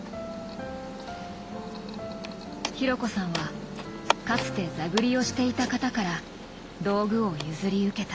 紘子さんはかつて座繰りをしていた方から道具を譲り受けた。